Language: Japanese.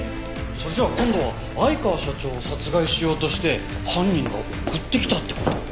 それじゃあ今度は相川社長を殺害しようとして犯人が送ってきたって事？